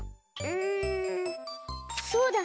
うんそうだ。